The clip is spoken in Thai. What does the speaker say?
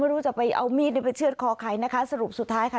ไม่รู้จะไปเอามีดไปเชื่อดคอใครนะคะสรุปสุดท้ายค่ะ